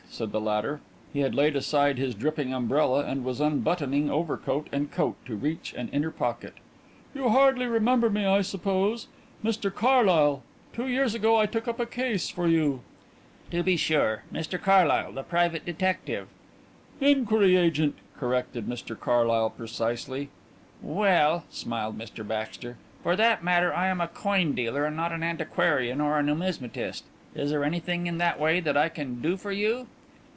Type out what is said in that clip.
said the latter. He had laid aside his dripping umbrella and was unbuttoning overcoat and coat to reach an inner pocket. "You hardly remember me, I suppose? Mr Carlyle two years ago I took up a case for you " "To be sure. Mr Carlyle, the private detective " "Inquiry agent," corrected Mr Carlyle precisely. "Well," smiled Mr Baxter, "for that matter I am a coin dealer and not an antiquarian or a numismatist. Is there anything in that way that I can do for you?"